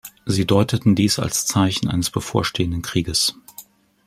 Sie deuteten dies als Zeichen eines bevorstehenden Krieges.